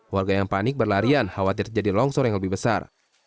warga yang panik berlarian khawatir terjadi longsor yang lebih besar